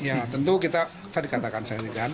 ya tentu kita tadi katakan saya ingin dikatakan